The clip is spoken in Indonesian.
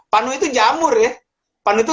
panu itu jamur ya